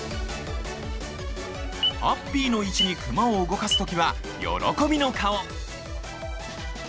「ｈａｐｐｙ」の位置にクマを動かす時は喜びの顔！